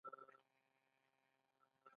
دی هم د جنګ پرېښودلو ته مجبور شو.